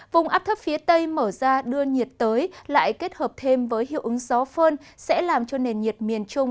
vùng áp thấp phía tây mở ra đưa nhiệt tới lại kết hợp thêm với hiệu ứng gió phơn sẽ làm cho nền nhiệt miền trung